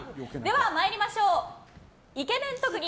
参りましょう、イケメン特技